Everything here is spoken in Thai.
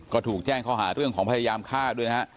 ก็ถูกแจ้งข้อหาเรื่องของพยายามฆ่าด้วยนะฮะ